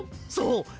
そう。